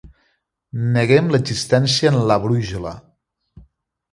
Neguem l'existència en la brúixola.